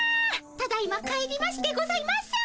ただいま帰りましてございます。